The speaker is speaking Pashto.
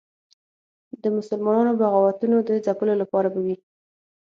د مسلمانانو بغاوتونو د ځپلو لپاره به وي.